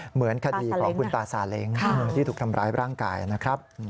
เหมือนคดีของคุณตาซาเล้งที่ถูกทำร้ายร่างกายนะครับ